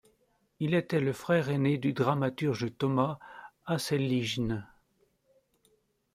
Il était le frère ainé du dramaturge Thomas Asselijn.